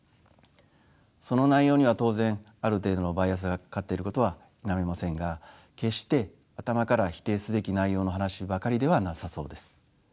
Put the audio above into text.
その内容には当然ある程度のバイアスがかかっていることは否めませんが決して頭から否定すべき内容の話ばかりではなさそうです。